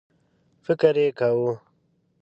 فکر یې کاوه.